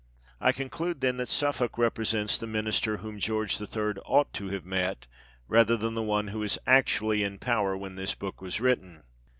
I conclude, then, that Suffolk represents the minister whom George III. otight to have met, rather than the one who was actually in power when this book was written.